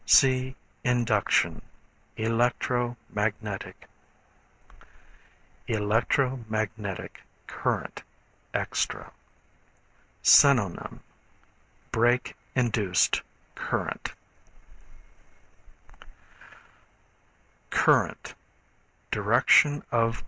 (See Induction, Electro Magnetic Current, Extra.) Synonym Break Induced Current. Current, Direction of.